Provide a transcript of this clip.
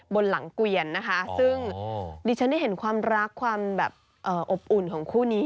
บนหลังเกวียนนะคะซึ่งดิฉันได้เห็นความรักความแบบอบอุ่นของคู่นี้